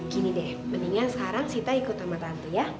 gini deh mendingan sekarang sita ikut sama tante ya